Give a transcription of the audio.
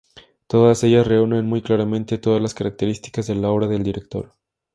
Todas ellas reúnen muy claramente todas las características de la obra del director.